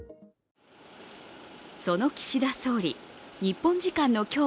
その岸田総理、日本時間の今日